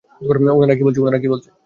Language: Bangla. ওনারা কী বলছে?